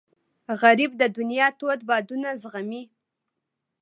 غریب د دنیا تود بادونه زغمي